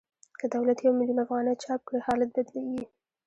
که دولت یو میلیون افغانۍ چاپ کړي حالت بدلېږي